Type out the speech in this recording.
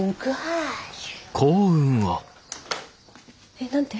えっ何て？